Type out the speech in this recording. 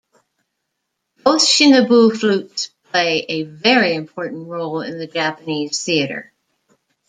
Both shinobue flutes play a very important role in the Japanese theater.